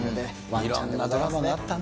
いろんなドラマがあったね。